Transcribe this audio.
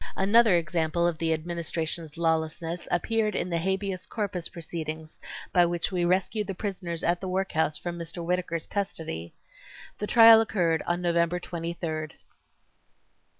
Another example of the Administration's lawlessness appeared in the habeas corpus proceedings by which we rescued the prisoners at the workhouse from Mr. Whittakers custody. The trial occurred on November 23rd.